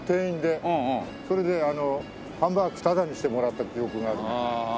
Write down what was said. それであのハンバーグタダにしてもらった記憶があります。